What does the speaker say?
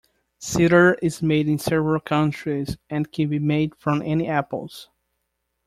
Cider is made in several countries and can be made from any apples.